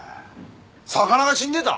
魚が死んでた！？